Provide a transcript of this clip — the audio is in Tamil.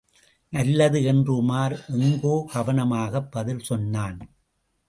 நல்லது என்று உமார் எங்கோ கவனமாகப் பதில் சொன்னான்.